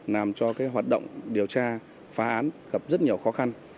làm cho hoạt động điều tra phá án gặp rất nhiều khó khăn